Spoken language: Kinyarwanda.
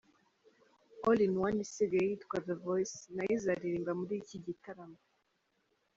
All in One isigaye yitwa The Voice na yo izaririmba muri iki gitaramo.